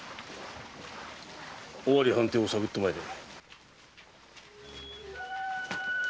尾張藩邸を探ってまいれ。